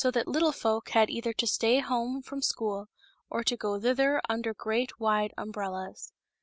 that little folk had either to stay home from school or to go thither undei great, wide umbrellas.